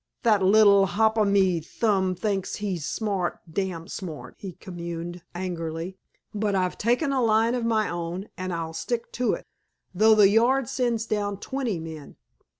"That little hop o' me thumb thinks he's smart, dam smart," he communed angrily, "but I've taken a line of me own, an' I'll stick to it, though the Yard sends down twenty men!"